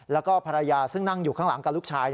แล้วก็ภรรยาซึ่งนั่งอยู่ข้างหลังกับลูกชาย